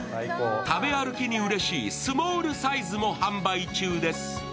食べ歩きにうれしいスモールサイズも販売中です。